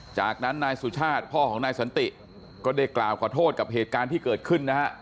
จากนั้นนายสุชาติพ่อของนายสันติก็ได้กล่าวขอโทษกับเหตุการณ์ที่เกิดขึ้นนะฮะ